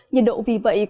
nhiệt độ vì vậy